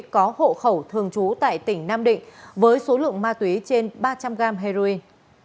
có hộ khẩu thường trú tại tỉnh nam định với số lượng ma túy trên ba trăm linh gram heroin